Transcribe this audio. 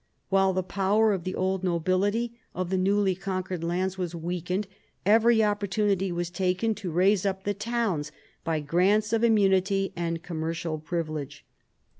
While the power of the old nobility of the newly conquered lands was weakened, every opportunity was taken to raise up the towns by grants of immunity and commercial privilege.